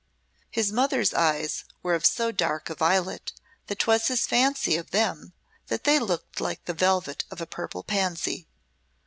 His mother's eyes were of so dark a violet that 'twas his fancy of them that they looked like the velvet of a purple pansy.